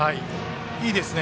いいですね。